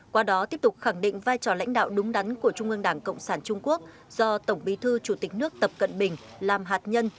qua đó tiếp tục khẳng định vai trò lãnh đạo đúng đắn của trung ương đảng cộng sản trung quốc do tổng bí thư chủ tịch nước tập cận bình làm hạt nhân